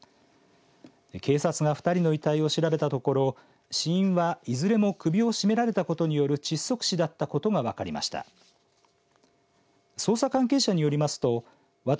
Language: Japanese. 警察が２人の遺体を調べたところ死因はいずれも首を絞められたことによる窒息死だったことが分かりました。